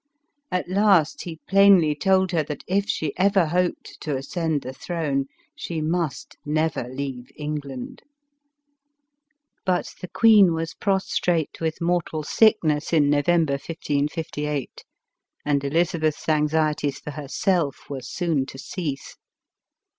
At last he plainly told her that if she ever hoped to ascend the throne, she must never leave England. But the queen was prostrate with mortal sickness in November 1558, and Elizabeth's anxieties for herself were soon to cease.